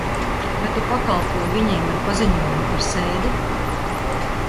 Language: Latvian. Vai tu pakalpoji viņiem ar paziņojumu par sēdi?